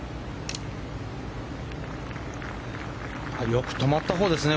よく止まったほうですね。